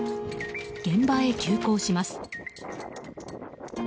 現場へ急行します。